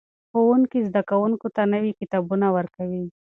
ښوونکي زده کوونکو ته نوي کتابونه ورکوي.